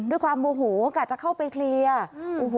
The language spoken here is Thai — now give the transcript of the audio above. ด้วยความโอ้โหกลับจะเข้าไปเคลียร์